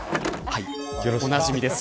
おなじみです。